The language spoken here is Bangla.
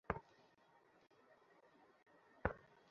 সতর্ক থাকবে, অ্যামেলিয়া।